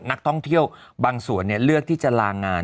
นักท่องเที่ยวบางส่วนเลือกที่จะลางาน